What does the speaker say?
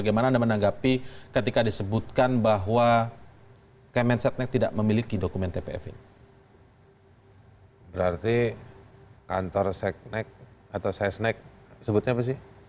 karena ada dua aturan yang menyatakan bahwa harusnya dokumen itu ada di situ